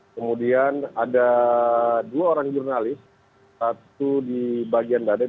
kemudian ada dua orang jurnalis satu di bagian dada